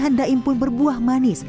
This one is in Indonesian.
dan daim pun berbuah manis